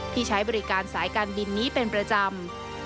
ที่ใช้บริการสายการบินนี้เป็นประจำ